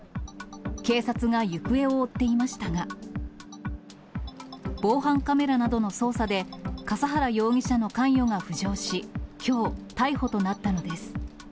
警察が行方を追っていましたが、防犯カメラなどの捜査で、笠原容疑者の関与が浮上し、きょう、逮捕となったのです。